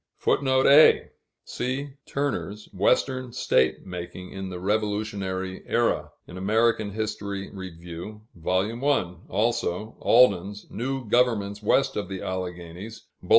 [Footnote A: See Turner's "Western State Making in the Revolutionary Era," in Amer. Hist. Rev., Vol. I.; also, Alden's "New Governments West of the Alleghanies," _Bull.